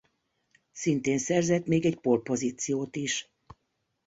Szintén szerzett még egy pole-pozíciót is.